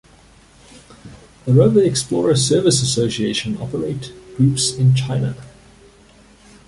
The Rover Explorer Service Association operate groups in China.